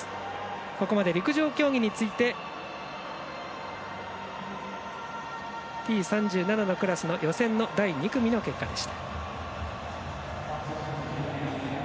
ここまで陸上競技についてＴ３７のクラスの予選の第２組の結果でした。